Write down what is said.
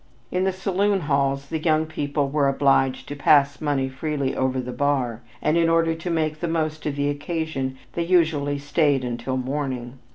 In the saloon halls the young people were obliged to "pass money freely over the bar," and in order to make the most of the occasion they usually stayed until morning.